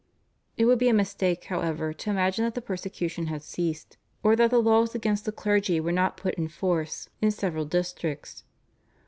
It would be a mistake, however, to imagine that the persecution had ceased, or that the laws against the clergy were not put in force in several districts.